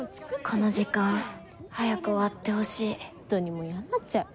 この時間早く終わってほしいホントにもうやんなっちゃう。